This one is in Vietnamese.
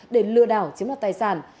để lừa đảo chiếm đặt tài sản